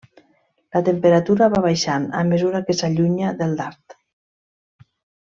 La temperatura va baixant a mesura que s'allunya del dard.